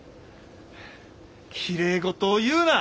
きれい事を言うな！